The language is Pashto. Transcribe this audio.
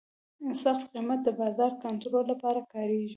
سقف قیمت د بازار کنټرول لپاره کارېږي.